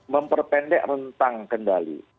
memperpendek rentang kendali